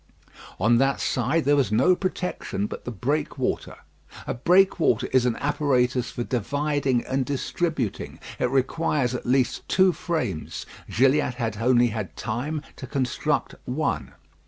On that side there was no protection but the breakwater. A breakwater is an apparatus for dividing and distributing. It requires at least two frames. Gilliatt had only had time to construct one.